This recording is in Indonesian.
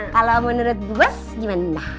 kalau menurut gue gimana